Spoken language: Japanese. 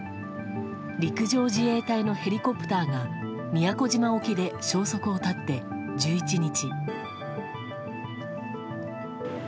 陸上自衛隊のヘリコプターが宮古島沖で消息を絶って１１日。